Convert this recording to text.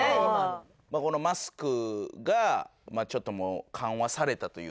このマスクがちょっともう緩和されたというか。